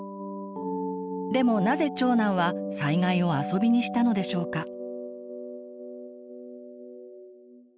でもなぜ長男は災害を遊びにしたのでしょうか？